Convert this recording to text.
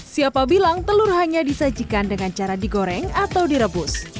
siapa bilang telur hanya disajikan dengan cara digoreng atau direbus